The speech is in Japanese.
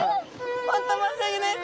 本当申し訳ないです！